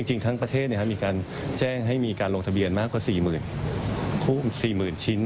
จริงทั้งประเทศมีการแจ้งให้มีการลงทะเบียนมากกว่า๔๐๐๐ชิ้น